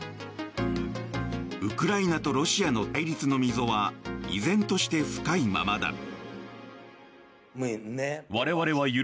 ウクライナとロシアの対立の溝は依然として深いままだ。